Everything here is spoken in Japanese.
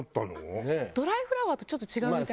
ドライフラワーとちょっと違うみたい。